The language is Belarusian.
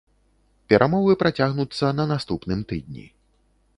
Перамовы працягнуцца на наступным тыдні.